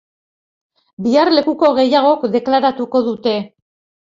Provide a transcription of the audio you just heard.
Bihar lekuko gehiagok deklaratuko dute.